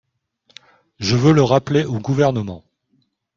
Je veux le rappeler au Gouvernement